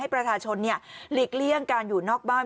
ประชาชนหลีกเลี่ยงการอยู่นอกบ้าน